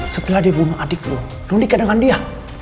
setelah dia bunuh adik lo lo nikah dengan dia